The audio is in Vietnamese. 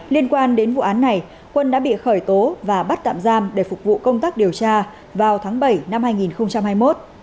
liên quan đến vụ án này quân đã bị khởi tố và bắt tạm giam để phục vụ công tác điều tra vào tháng bảy năm hai nghìn hai mươi một